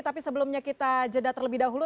tapi sebelumnya kita jeda terlebih dahulu